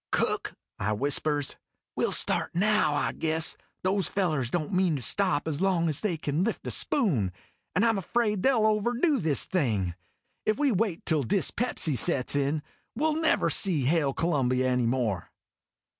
"Cook," I whispers, "we '11 start now, I guess. Those fellers don't mean to stop as long as they can lift a spoon and I 'm afraid they '11 overdo this thing. If we waits till dyspepsy sets in, we '11 never see Hail Columbia any more."